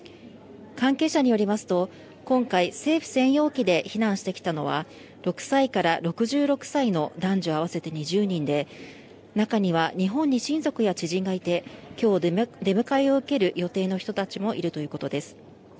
関係者によりますと今回、政府専用機で避難してきたのは６歳から６６歳の男女合わせて２０人で中には日本に親族や知人がいてきょう出迎えを受ける予定の人たちもいるということです。